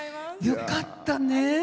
よかったね。